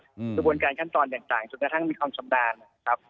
สมควรการขั้นตอนอย่างต่างจนกระทั่งมีความสำดานครับ